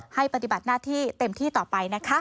ปฏิบัติหน้าที่เต็มที่ต่อไปนะคะ